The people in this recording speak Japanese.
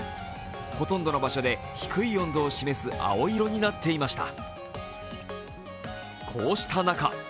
ほとんどの場所で低い温度を示す青色になっていました。